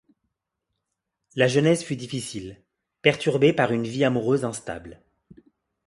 La genèse fut difficile, perturbée par une vie amoureuse instable.